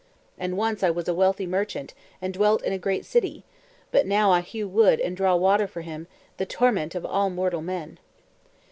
And once I was a wealthy merchant, and dwelt in a great city; but now I hew wood and draw water for him, the torment of all mortal men."